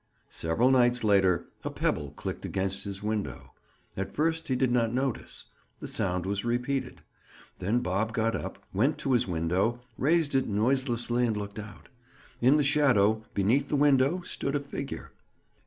Several nights later a pebble clicked against his window; at first, he did not notice. The sound was repeated. Then Bob got up, went to his window, raised it noiselessly and looked out. In the shadow, beneath the window, stood a figure.